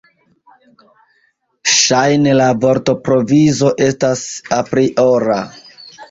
Ŝajne la vortprovizo estas apriora.